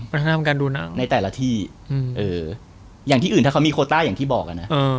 วัฒนธรรมการดูหนังในแต่ละที่อย่างที่อื่นถ้าเขามีโคต้าอย่างที่บอกนะ